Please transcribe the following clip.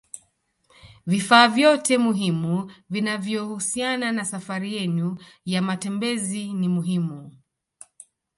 Vifaa vyote muhimu vinavyohusiana na safari yenu ya matembezi ni muhimu